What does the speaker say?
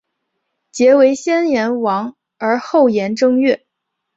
曷为先言王而后言正月？